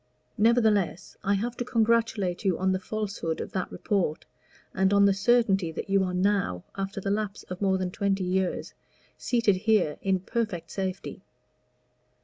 Nevertheless I have to congratulate you on the falsehood of that report, and on the certainty that you are now, after the lapse of more than twenty years, seated here in perfect safety."